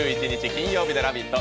金曜日の「ラヴィット！」